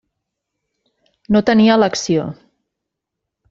No tenia elecció.